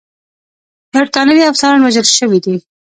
برټانوي افسران وژل شوي دي.